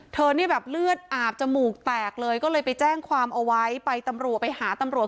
เนี่ยแบบเลือดอาบจมูกแตกเลยก็เลยไปแจ้งความเอาไว้ไปตำรวจไปหาตำรวจ